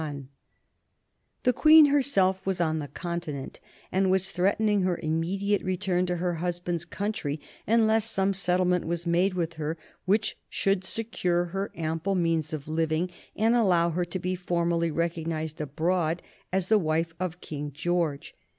[Sidenote: 1820 Queen Caroline] The Queen herself was on the Continent, and was threatening her immediate return to her husband's country unless some settlement was made with her which should secure her ample means of living and allow her to be formally recognized abroad as the wife of King George.